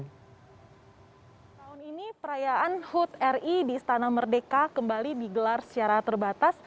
tahun ini perayaan hud ri di istana merdeka kembali digelar secara terbatas